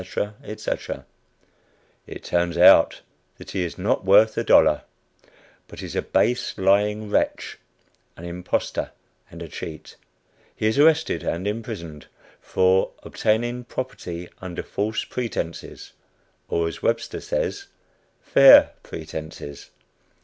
etc. It turns out that he is not worth a dollar, but is a base, lying wretch, an impostor and a cheat. He is arrested and imprisoned "for obtaining property under false pretences" or, as Webster says, "fair pretences."